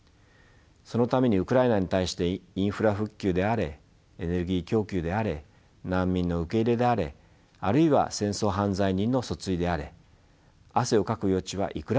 そのためにウクライナに対してインフラ復旧であれエネルギー供給であれ難民の受け入れであれあるいは戦争犯罪人の訴追であれ汗をかく余地はいくらでもあり